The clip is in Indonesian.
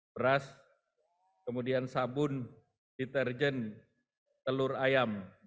beras kemudian sabun deterjen telur ayam